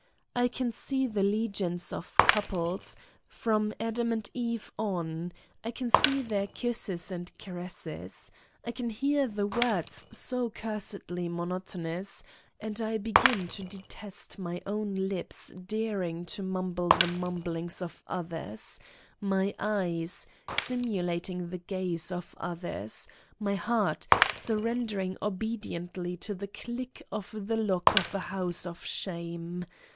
I can see the legions of couples, from Adam and Eve on ; I can see their kisses and caresses ; I can hear the words so cursedly mon otonous, and I begin to detest my own lips dar ing to mumble the mumbling of others, my eyes, 63 Satan's Diary simulating the gaze of others, my heart, surren dering obediently to the click of the lock of a house of shame.